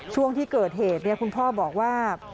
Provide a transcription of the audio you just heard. ช่วงที่เกิดเหตุคุณพ่อบอกว่า